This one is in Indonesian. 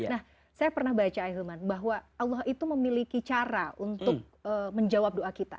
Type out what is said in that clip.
nah saya pernah baca ahilman bahwa allah itu memiliki cara untuk menjawab doa kita